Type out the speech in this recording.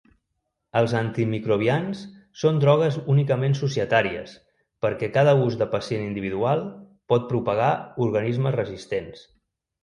Els antimicrobians són drogues únicament societàries perquè cada ús de pacient individual pot propagar organismes resistents.